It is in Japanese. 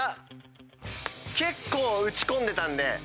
結構打ち込んでたんで。